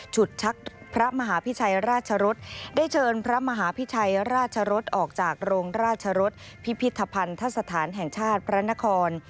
ฉุดชักพระมหาพิชัยราชรสได้เชิญพระมหาพิชัยราชรสออกจากโรงราชรสพิพิธภัณฑสถานแห่งชาติพระนคร